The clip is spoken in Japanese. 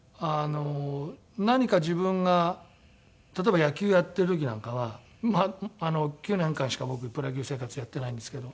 何か自分が例えば野球やってる時なんかは９年間しか僕プロ野球生活やってないんですけど。